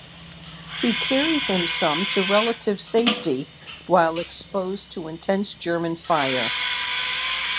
He carried him some to relative safety while exposed to intense German fire.